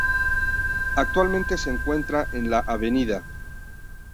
Actualmente se encuentra en la Av.